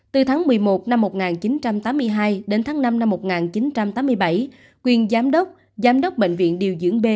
từ tháng một mươi một năm một nghìn chín trăm tám mươi hai đến tháng năm năm một nghìn chín trăm tám mươi bảy quyền giám đốc giám đốc bệnh viện điều dưỡng b